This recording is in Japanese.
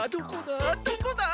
どこだ？